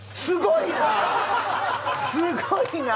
すごいなあ！